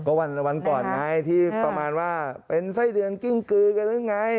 ก็วันก่อนไงที่ประมาณว่าเป็นไส้เดือนกิ้งกือกันหรือไง